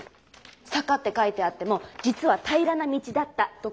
「坂」って書いてあっても実は「平らな道」だったとかもあったりして。